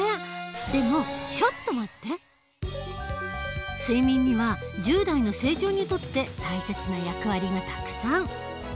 でも睡眠には１０代の成長にとって大切な役割がたくさん。